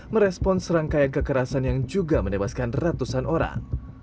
merespon serangkaian kekerasan yang juga menewaskan ratusan orang